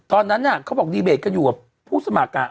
ตอนนั้นเนี่ยเขาบอกดีเบตก็อยู่กับผู้สมัคร